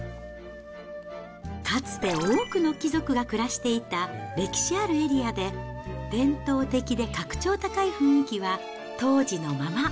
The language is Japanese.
かつて多くの貴族が暮らしていた歴史あるエリアで、伝統的で格調高い雰囲気は、当時のまま。